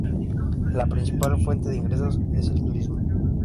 La principal fuente de ingresos es el turismo.